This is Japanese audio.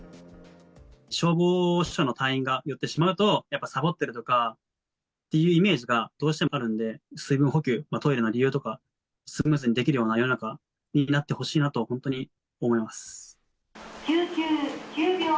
消防署の隊員が寄ってしまうと、やっぱサボってるとかっていうイメージがどうしてもあるんで、水分補給、トイレの利用とか、スムーズにできるような世の中になってほしいなと、本当に思います。